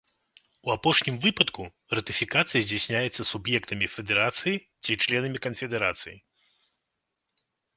У апошнім выпадку ратыфікацыя здзяйсняецца суб'ектамі федэрацыі ці членамі канфедэрацыі.